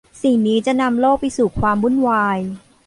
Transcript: สิ่งนี้จะนำโลกไปสู่ความวุ่นวาย